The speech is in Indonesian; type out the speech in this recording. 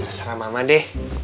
terserah mama deh